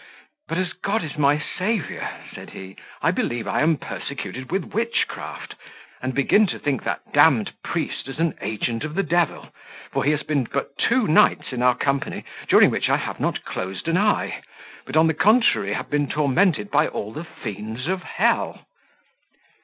"But as God is my Saviour," said he, "I believe I am persecuted with witchcraft, and begin to think that d d priest is an agent of the devil; for he has been but two nights in our company, during which I have not closed an eye; but, on the contrary, have been tormented by all the fiends of hell."